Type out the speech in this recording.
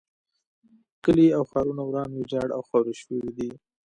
کلي او ښارونه وران ویجاړ او خاورې شوي دي.